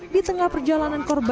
di tengah perjalanan korban